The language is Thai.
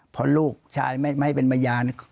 เพราะลูกชายไม่ให้เป็นพยาน